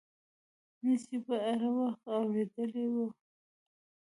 نه یې په اړه مخکې اورېدلي وو.